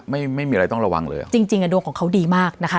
ไม่มีอะไรต้องระวังเลยอ่ะจริงจริงอ่ะดวงของเขาดีมากนะคะ